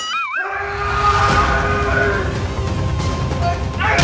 ชื่อฟอยแต่ไม่ใช่แฟง